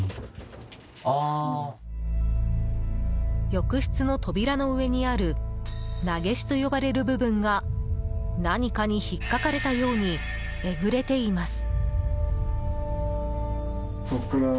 浴室の扉の上にある長押と呼ばれる部分が何かに引っかかれたようにえぐれています。